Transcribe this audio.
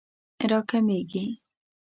راکمېږي